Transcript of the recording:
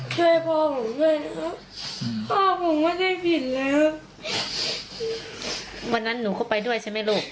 ช่วยพ่อหนูด้วยนะครับพ่อผมไม่ได้บินเลยครับวันนั้นหนูก็ไปด้วยใช่ไหมลูก